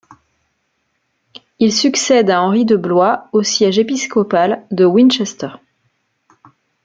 Il succède à Henri de Blois au siège épiscopal de Winchester.